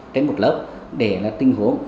trên một lớp để tình huống